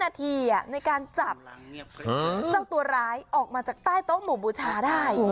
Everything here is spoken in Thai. นาทีในการจับเจ้าตัวร้ายออกมาจากใต้โต๊ะหมู่บูชาได้